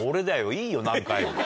いいよ何回も。